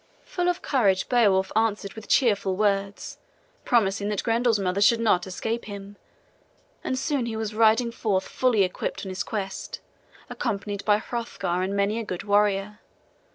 Full of courage, Beowulf answered with cheerful words, promising that Grendel's mother should not escape him; and soon he was riding forth fully equipped on his quest, accompanied by Hrothgar and many a good warrior.